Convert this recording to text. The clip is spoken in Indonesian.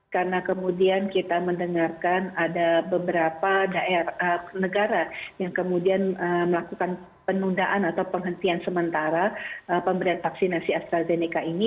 karena kemudian kita mendengarkan ada beberapa daerah negara yang kemudian melakukan penundaan atau penghentian sementara pemberian vaksinasi astrazeneca ini